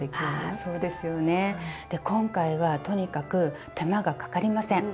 あそうですよね。今回はとにかく手間がかかりません！